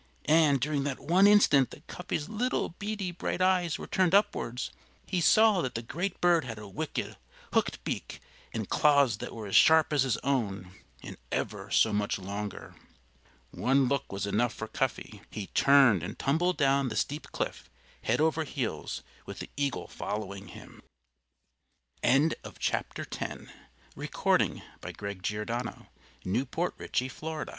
And during that one instant that Cuffy's little beady bright eyes were turned upwards he saw that the great bird had a wicked, hooked beak and claws that were as sharp as his own, and ever so much longer. One look was enough for Cuffy. He turned and tumbled down the steep cliff, head over heels, with the eagle following him. XI MRS. EAGLE IS ANGRY Yes! It was an eagle's nest that Cuffy Bear had found, And